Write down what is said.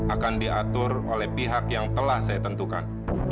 akan diatur oleh pihak yang telah saya tentukan